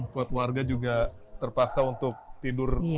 buat warga juga terpaksa untuk tidur